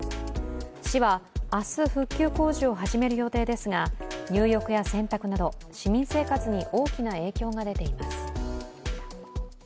市は明日、復旧工事を始める予定ですが入浴や洗濯など市民生活に大きな影響が出ています。